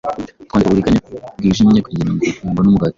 Twanze uburiganya bwijimye, kugirango mbone umugati wanjye;